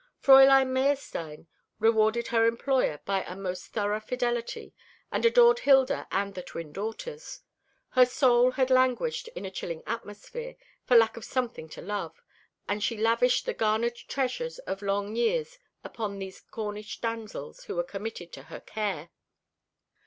Fräulein Meyerstein rewarded her employer by a most thorough fidelity, and adored Hilda and the twin daughters. Her soul had languished in a chilling atmosphere, for lack of something to love, and she lavished the garnered treasures of long years upon these Cornish damsels who were committed to her care.